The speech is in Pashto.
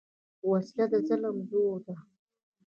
وسله د ظلم زور ده